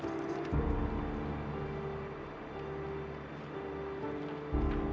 ayolah lumayan terjaga